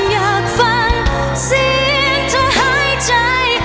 อยากฟังเสียงเธอหายใจ